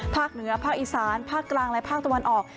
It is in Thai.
เหนือภาคอีสานภาคกลางและภาคตะวันออก